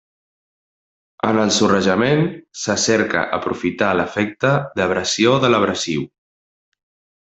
En el sorrejament se cerca aprofitar l'efecte d'abrasió de l'abrasiu.